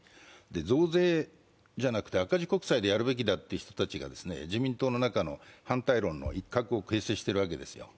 増税じゃなくて赤字国債でやるべきという人たちが自民党の中の反対論の一角を形成しているわけですよ。